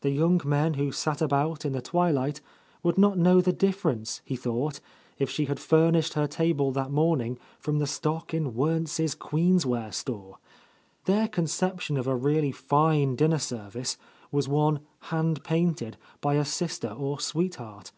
The young men who sat about in the twilight would not know the difference, he thought, if she had furnished her 158 A Lost Lady table that morning, from the stock in Wernz's queensware store.. Their conception of a really fine dinner service was one "hand painted" by a sister or sweetheart.